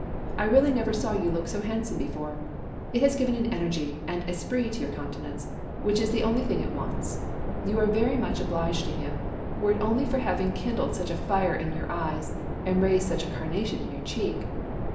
I really never saw you look so handsome before it has given an energy and esprit to your countenance, which is the only thing it wants. You are very much obliged to him, were it only for having kindled such a fire in your eyes, and raised such a carnation in your cheek.